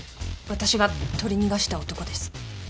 私が取り逃がした男です。